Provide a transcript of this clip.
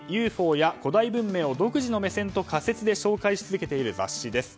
ＵＦＯや古代文明を独自の目線と仮説で紹介し続けている雑誌です。